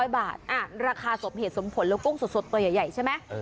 ๑๐๐บาทระคาศพเหตุสมผลและกุ้งสดตัวอย่างใหญ่ใช่ไหม